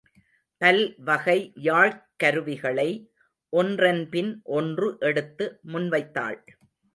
பல் வகை யாழ்க் கருவிகளை ஒன்றன்பின் ஒன்று எடுத்து முன் வைத்தாள்.